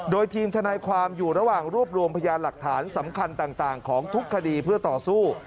โดยทีมทนายความอยู่ระหว่างรวบรวมพยานหลักฐานสำคัญต่างของทุกคดีเพื่อต่อสู้